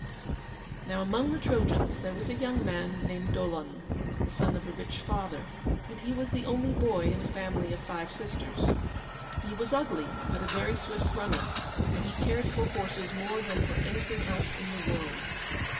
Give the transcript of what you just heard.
Now among the Trojans there was a young man named Dolon, the son of a rich father, and he was the only boy in a family of five sisters. He was ugly, but a very swift runner, and he cared for horses more than for anything else in the world.